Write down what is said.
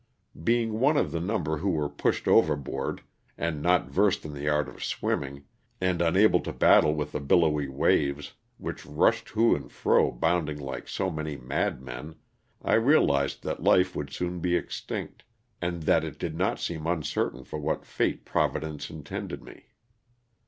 Being one of the number who were pushed over board, and not versed in the art of swimming, and un able to battle with the billowy waves, which rushed to and fro bounding like so many mad men, I realized that life would soon be extinct, and that it did not seem uncertain for what fate Providence intended me.